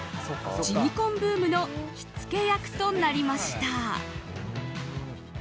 地味婚ブームの火付け役となりました。